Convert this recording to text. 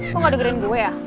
lo gak dengerin gue ya